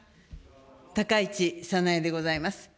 高市早苗でございます。